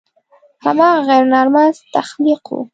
هماغه غیر نارمل تخلیق و.